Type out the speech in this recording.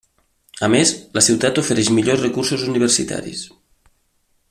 A més, la ciutat ofereix millors recursos universitaris.